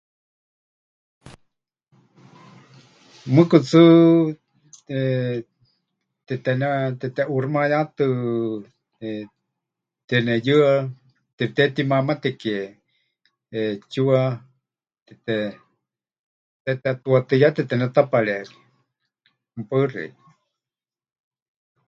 Mɨɨkɨ tsɨ, eh, teteʼuuximayátɨ, eh, teneyɨa, tepɨtehetimamateke ʼetsiwa tetetuátɨ ya tetenetapareewie. Mɨpaɨ xeikɨ́a.